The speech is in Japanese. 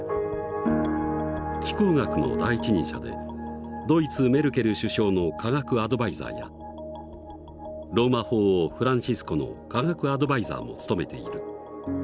気候学の第一人者でドイツメルケル首相の科学アドバイザーやローマ法王フランシスコの科学アドバイザーも務めている。